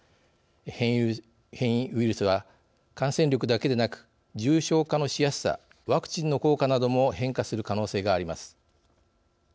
変異ウイルスは感染力だけでなく重症化のしやすさワクチンの効果なども変化する可能性があります。